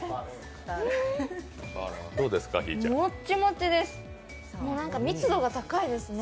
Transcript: もっちもちです、密度が高いですね。